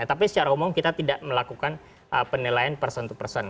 tapi secara umum kita tidak melakukan penilaian person to person